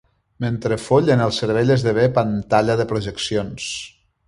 Mentre follen el cervell esdevé pantalla de projeccions.